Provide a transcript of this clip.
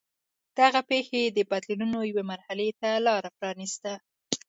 دغه پېښې د بدلونونو یوې مرحلې ته لار پرانېسته.